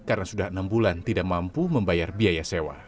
karena sudah enam bulan tidak mampu membayar biaya sewa